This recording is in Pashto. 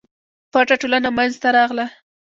پټه ټولنه منځته راغله.